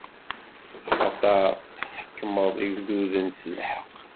Axaṭer tḥekmeḍ igduden s lḥeqq.